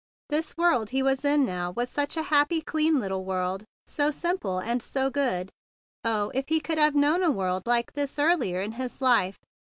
This world he was in now was such a happy, clean little world, 158 THE BIG BLUE SOLDIER so simple and so good! Oh, if he could have known a world like this earlier in his life!